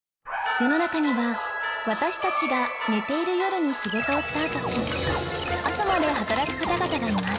世の中には私たちが寝ている夜に仕事をスタートし朝まで働く方々がいます